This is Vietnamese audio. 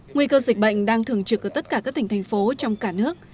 nguy cơ dịch bệnh đang thường trực ở tất cả các tỉnh thành phố trong cả nước